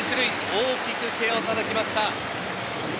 大きく手をたたきました。